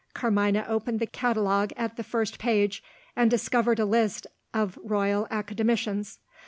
Carmina opened the catalogue at the first page, and discovered a list of Royal Academicians.